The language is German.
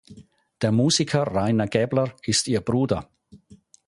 Der Musiker Rainer Gäbler ist ihr Bruder.